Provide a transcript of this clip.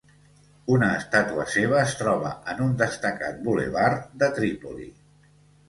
Una estàtua seva es troba en un destacat bulevard de Trípoli.